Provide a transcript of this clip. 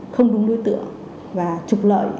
không đúng đối tượng và trục lợi